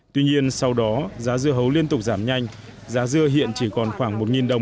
tuy nhiên sau đó giá dưa hấu liên tục giảm nhanh giá dưa hiện chỉ còn khoảng một đồng